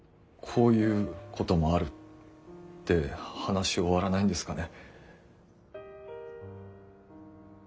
「こういうこともある」って話終わらないんですかね。